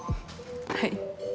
はい。